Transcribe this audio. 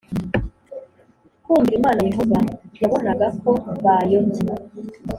Kumvira imana yehova yabonaga ko bayobye